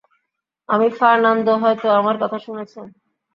আমি ফার্নান্দো হয়তো, আমার কথা শুনেছেন।